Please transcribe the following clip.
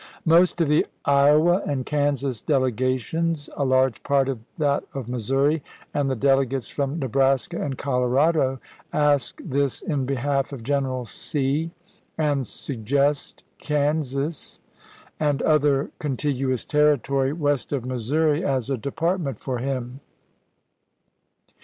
Most of the Iowa and Kansas delegations, a large part of that of Missouri, and the delegates from Nebraska and Colorado, ask this in behaK of General C, and suggest Kansas and other con tiguous territory west of Missouri as a department for him.